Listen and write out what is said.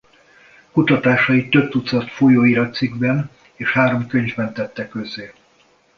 Kutatásait több tucat folyóiratcikkben és három könyvben tette közzé.